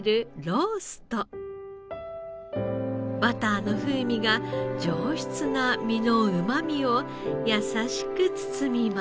バターの風味が上質な身のうまみを優しく包みます。